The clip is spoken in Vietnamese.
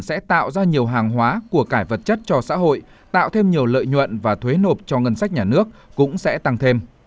sẽ tạo ra nhiều hàng hóa của cải vật chất cho xã hội tạo thêm nhiều lợi nhuận và thuế nộp cho ngân sách nhà nước cũng sẽ tăng thêm